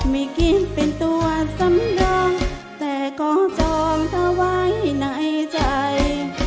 ไม่คิดเป็นตัวสำรองแต่ก็จองเธอไว้ในใจ